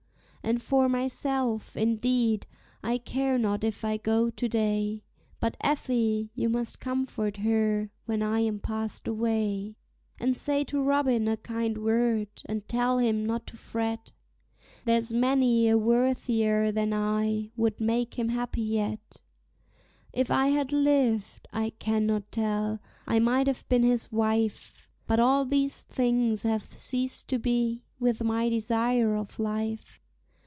And for myself, indeed, I care not if I go to day; But Effie, you must comfort her when I am past away. And say to Robin a kind word, and tell him not to fret; There's many a worthier than I, would make him happy yet. If I had lived I cannot tell I might have been his wife; But all these things have ceased to be, with my desire of life.